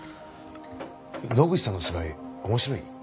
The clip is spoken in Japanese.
野口さんの芝居面白い？